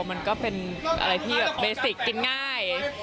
มันก็เป็นอะไรที่แบบเบสิกกินง่าย